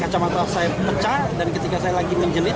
kaca mata saya pecah dan ketika saya lagi menjelit